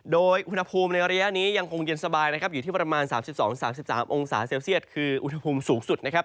โดยอุณหภูมิในระยะนี้ยังคงเย็นสบายนะครับอยู่ที่ประมาณ๓๒๓๓องศาเซลเซียตคืออุณหภูมิสูงสุดนะครับ